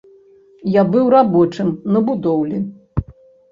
Я быў рабочым на будоўлі.